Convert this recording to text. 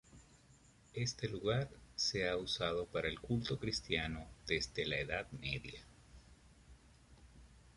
Este lugar se ha usado para el culto cristiano desde la Edad Media.